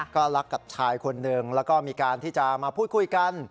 ก็รักกับชายคนหนึ่งแล้วก็มีการที่จะมาพูดคุยกัน